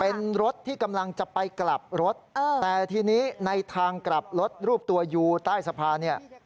เป็นรถที่กำลังจะไปกลับรถแต่ทีนี้ในทางกลับรถรูปตัวยูใต้สะพานเนี่ย